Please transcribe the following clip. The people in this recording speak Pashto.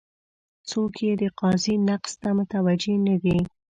څوک یې د قافیې نقص ته متوجه نه دي.